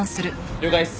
了解です！